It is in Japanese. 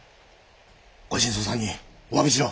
ご新造さんにおわびしろ。